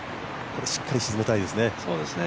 これ、しっかり沈めたいですね。